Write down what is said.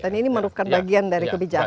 dan ini merupakan bagian dari kebijakan